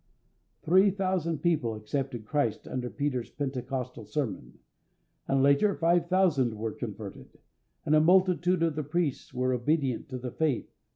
Three thousand people accepted Christ under Peter's Pentecostal sermon, and later five thousand were converted, and a multitude of the priests were obedient to the faith.